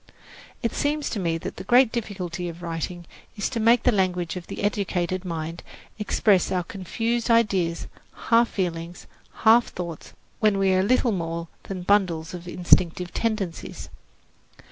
It seems to me that the great difficulty of writing is to make the language of the educated mind express our confused ideas, half feelings, half thoughts, when we are little more than bundles of instinctive tendencies.